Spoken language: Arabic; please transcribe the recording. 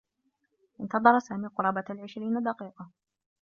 انتظر سامي قرابة العشرين دقيقة.